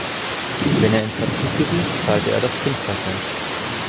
Wenn er in Verzug geriet, zahlte er das Fünffache.